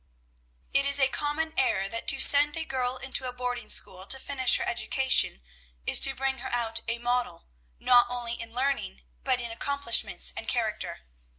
It is a common error that to send a girl into a boarding school to finish her education is to bring her out a model, not only in learning, but in accomplishments and character.